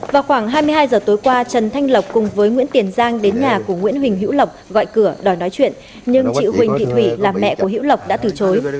vào khoảng hai mươi hai giờ tối qua trần thanh lộc cùng với nguyễn tiền giang đến nhà của nguyễn huỳnh hữu lộc gọi cửa đòi nói chuyện nhưng chị huỳnh thị thủy là mẹ của hiễu lộc đã từ chối